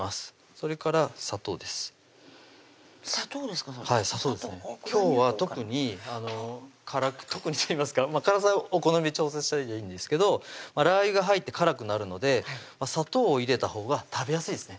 それはい砂糖ですね今日は特に特にといいますか辛さはお好みで調節したらいいんですけどラー油が入って辛くなるので砂糖を入れたほうが食べやすいですね